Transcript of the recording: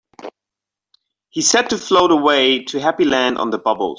He said to float away to Happy Land on the bubbles.